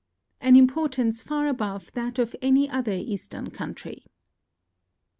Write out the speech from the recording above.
an importance far above that of any other Eastern country."